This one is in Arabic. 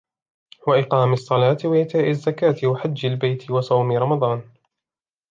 وَإِقامِ الصَّلاَةِ، وإِيتَاءِ الزَّكَاةِ، وَحَجِّ البَيْتِ، وَصَوْمِ رَمَضَانَ